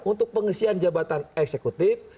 untuk pengisian jabatan eksekutif